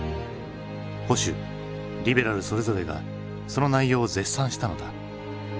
保守リベラルそれぞれがその内容を絶賛したのだ。